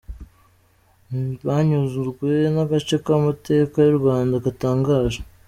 Banyuzwe n’agace k’amateka y’u Rwanda gatangaje .